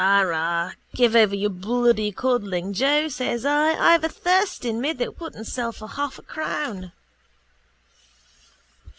—Arrah, give over your bloody codding, Joe, says I. I've a thirst on me I wouldn't sell for half a crown.